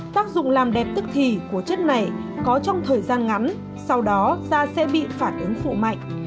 tác dụng làm đẹp tức thì của chất này có trong thời gian ngắn sau đó da sẽ bị phản ứng phụ mạnh